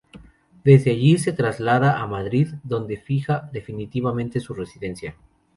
Desde allí se traslada a Madrid, donde fija definitivamente su residencia.